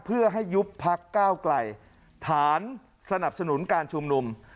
เพื่อให้ยุบพักก้าวไกลฐานสนับสนุนการชุมนุม